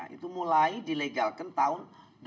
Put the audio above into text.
itu mulai dilegalkan tahun dua ribu